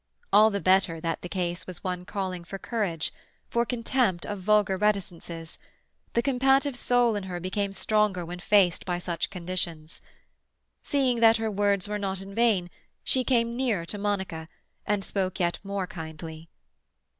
All the better that the case was one calling for courage, for contempt of vulgar reticences; the combative soul in her became stronger when faced by such conditions. Seeing that her words were not in vain, she came nearer to Monica and spoke yet more kindly.